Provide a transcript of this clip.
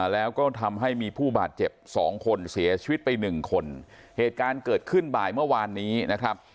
แล้วก็ทำให้มีผู้บาดเจ็บสองคนเสียชีวิตไปหนึ่งคนเหตุการณ์เกิดขึ้นบ่ายเมื่อวานนี้นะครับ